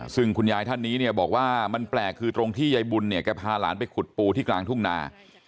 ซึ่งคุณยายท่านนี้เนี่ยบอกว่ามันแปลกคือตรงที่ยายบุญเนี่ยแกพาหลานไปขุดปูที่กลางทุ่งนา